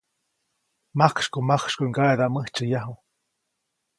Majksykumajksykuʼy ŋgaʼedaʼm mäjtsyäyaju.